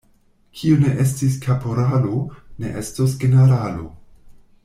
Kiu ne estis kaporalo, ne estos generalo.